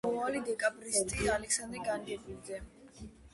ერთ-ერთი მათგანი იყო მომავალი დეკაბრისტი ალესანდრე განგებლიძე.